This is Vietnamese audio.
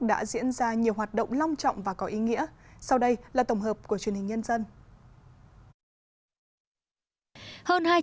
đã diễn ra nhiều hoạt động long trọng và có ý nghĩa sau đây là tổng hợp của truyền hình nhân dân